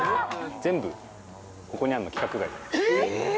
全部、ここにあるのは規格外えっ？